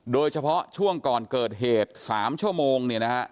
โดยเฉพาะช่วงก่อนเกิดเหตุ๓ชั่วโมง